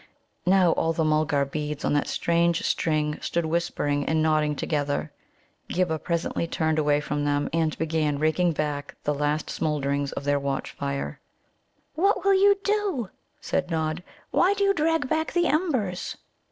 Now, all the Mulgar beads on that strange string stood whispering and nodding together. Ghibba presently turned away from them, and began raking back the last smoulderings of their watch fire. "What will you do?" said Nod. "Why do you drag back the embers?"